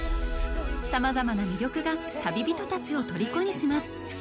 さまざまな魅力が旅人たちをとりこにします。